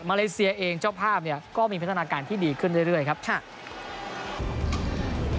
มาเลเซียเองเจ้าภาพมีพัฒนาการที่ดีขึ้นเรื่อย